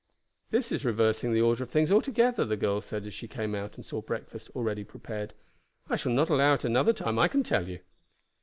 "This is reversing the order of things altogether," the girl said as she came out and saw breakfast already prepared. "I shall not allow it another time, I can tell you."